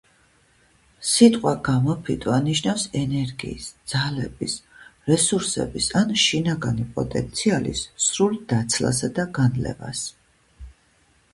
სიტყვა „გამოფიტვა“ ნიშნავს ენერგიის, ძალების, რესურსების ან შინაგანი პოტენციალის სრულ დაცლასა და განლევას.